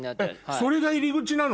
それが入り口なの？